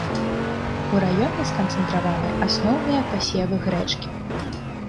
У раёне сканцэнтраваны асноўныя пасевы грэчкі.